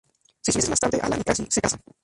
Seis meses más tarde, Alan y Cassie se casan.